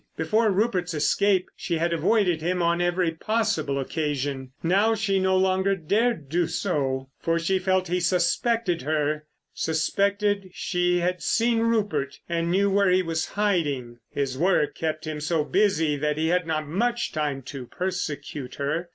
Before Rupert's escape she had avoided him on every possible occasion. Now, she no longer dared do so. For she felt he suspected her—suspected she had seen Rupert and knew where he was hiding. His work kept him so busy that he had not much time to persecute her.